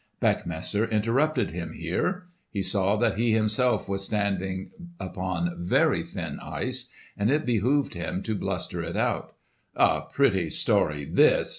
Beckmesser interrupted him here. He saw that he himself was standing upon very thin ice and it behoved him to bluster it out. "A pretty story this!"